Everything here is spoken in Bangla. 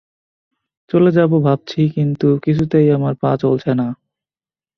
চলে যাব ভাবছি, কিন্তু কিছুতেই আমার পা চলছে না।